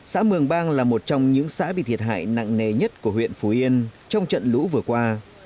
xã mường bang là một trong những xã bị thiệt hại nặng nề nhất của huyện phú yên trong trận lũ vừa qua